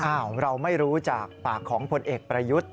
เราไม่รู้จากปากของพลเอกประยุทธ์